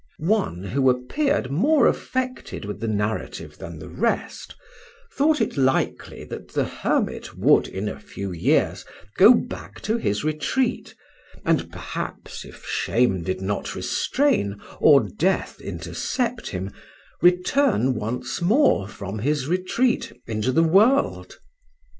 One who appeared more affected with the narrative than the rest thought it likely that the hermit would in a few years go back to his retreat, and perhaps, if shame did not restrain or death intercept him, return once more from his retreat into the world.